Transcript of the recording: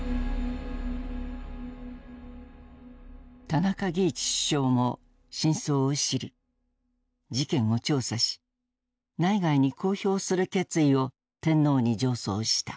田中義一首相も真相を知り事件を調査し内外に公表する決意を天皇に上奏した。